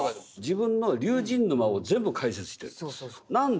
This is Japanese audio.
自分の「龍神沼」を全部解説してるんです。